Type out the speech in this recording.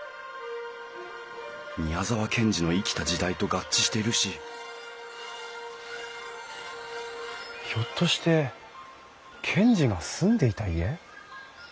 宮沢賢治の生きた時代と合致しているしひょっとして賢治が住んでいた家？